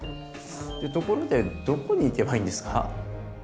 でところでどこに行けばいいんですか？